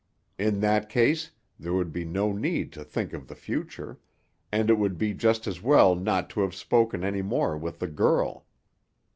In that case there would be no need to think of the future, and it would be just as well not to have spoken any more with the girl.